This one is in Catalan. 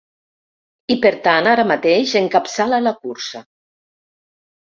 I per tant, ara mateix, encapçala la cursa.